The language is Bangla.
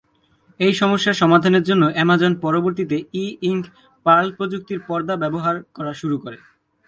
এই সমস্যা সমাধানের জন্য আমাজন পরবর্তীতে ই-ইঙ্ক পার্ল প্রযুক্তির পর্দা ব্যবহার করা শুরু করে।